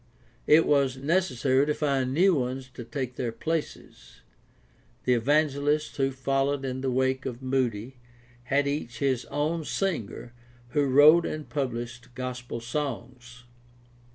It was necessary to find new ones to take their places. The evangelists who followed in the wake of Moody had each his own singer who wrote and published gospel songs.